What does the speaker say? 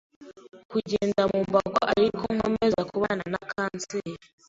kugendera mu mbago ariko nkomeza kubana na kanseri